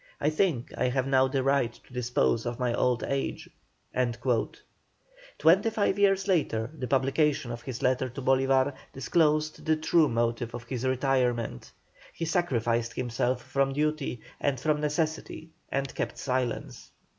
I think I have now the right to dispose of my old age." Twenty five years later the publication of his letter to Bolívar disclosed the true motive of his retirement. He sacrificed himself from duty, and from necessity, and kept silence.